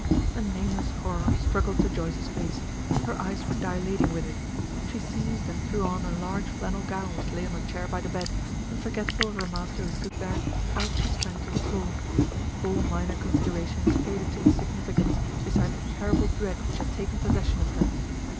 A nameless horror struggled to Joyce's face, her eyes were dilating with it; she seized and threw on a large flannel gown which lay on a chair by the bed, and forgetful of her master who stood there, out she sprang to the floor. All minor considerations faded to insignificance beside the terrible dread which had taken possession of her.